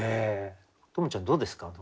十夢ちゃんどうですか？